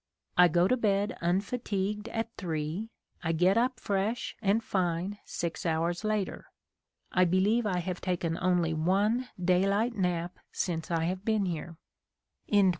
I go to bed unfatigued at 3, I get up fresh and fine six hours later. I believe I have taken only one daylight nap since I have been here."